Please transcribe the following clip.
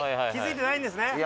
気づいてないんですね？